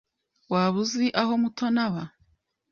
Waba uzi aho Mutoni aba?